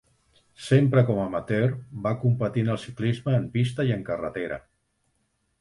Sempre com amateur, va competir en el ciclisme en pista i en carretera.